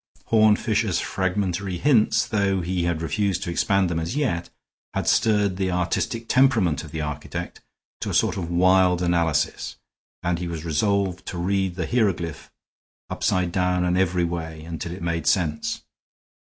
Horne Fisher's fragmentary hints, though he had refused to expand them as yet, had stirred the artistic temperament of the architect to a sort of wild analysis, and he was resolved to read the hieroglyph upside down and every way until it made sense.